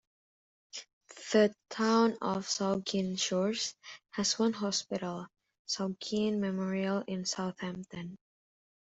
The Town of Saugeen Shores has one hospital, Saugeen Memorial in Southampton.